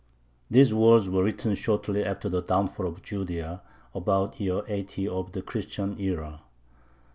These words were written shortly after the downfall of Judea, about the year 80 of the Christian era.